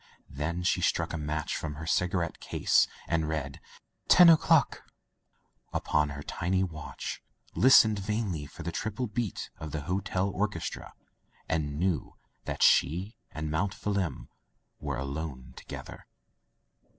Then she struck a match from her cigarette case, and read "ten o'clock, upon her tiny watch, listened vainly for the triple beat of the hotel orches tra, and knew that she and Mount Phelim were alone together.